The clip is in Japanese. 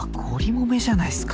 もめじゃないっすか。